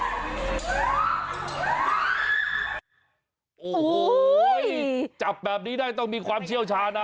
โอ้โหจับแบบนี้ได้ต้องมีความเชี่ยวชาญนะ